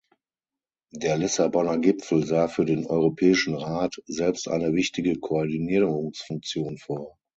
Der Lissabonner Gipfel sah für den Europäischen Rat selbst eine wichtige Koordinierungsfunktion vor.